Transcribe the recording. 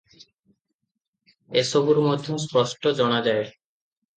ଏ ସବୁରୁ ମଧ୍ୟ ସ୍ପଷ୍ଟ ଜଣାଯାଏ ।